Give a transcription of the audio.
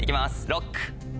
ＬＯＣＫ！